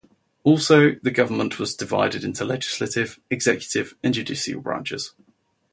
Also, the government was divided into legislative, executive and judicial branches.